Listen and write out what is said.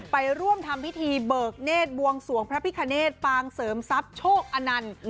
ไปร่วมทำพิธีเบิกเนธบวงสวงพระพิคเนตปางเสริมทรัพย์โชคอนันต์